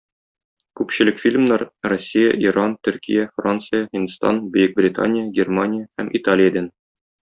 Күпчелек фильмнар - Россия, Иран, Төркия, Франция, Һиндстан, Бөекбритания, Германия һәм Италиядән.